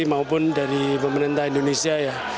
maupun dari pemerintah indonesia ya